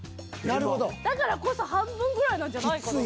だからこそ半分ぐらいなんじゃないかな。